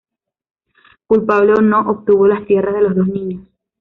Culpable o no, obtuvo las tierras de los dos niños.